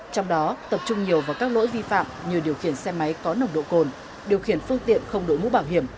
trong đó tập trung nhiều vào các lỗi vi phạm như điều khiển xe máy có nồng độ cồn điều khiển phương tiện không đội mũ bảo hiểm